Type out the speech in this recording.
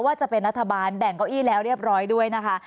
ว่าจะเป็นรัฐบาลแบ่งเก้าอี้แล้วเรียบร้อยด้วยนะคะ